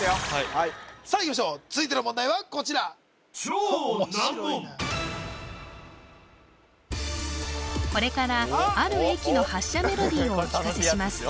はいさあいきましょう続いての問題はこちらこれからある駅の発車メロディーをお聞かせします